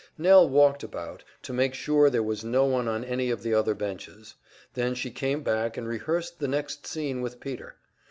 Nell walked about to make sure there was no one on any of the other benches; then she came back and rehearsed the next scene with Peter.